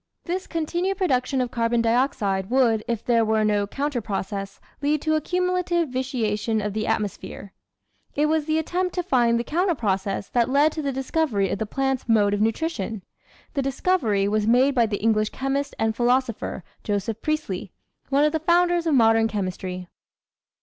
This continued production of carbon dioxide would, if there were no counter process, lead to a cumulative vitiation of the atmosphere. It was the attempt to find the counter process that led to the discovery of the plant's mode of nutrition. The discovery was made by the English chemist and philosopher, Joseph Priestley, one of the founders of modern chemistry.